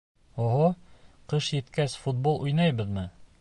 — Оһо, ҡыш еткәс футбол уйнайбыҙмы?